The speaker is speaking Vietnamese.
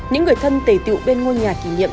những người thân tể tựu bên ngôi nhà kỷ niệm